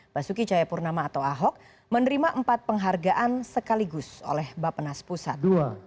basuki cahayapurnama atau ahok menerima empat penghargaan sekaligus oleh bapenas pusat